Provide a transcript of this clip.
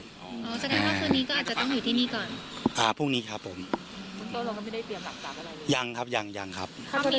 ก็อาจจะต้องอยู่ที่นี่ก่อนพรุ่งนี้ครับผมยังครับยังยังครับ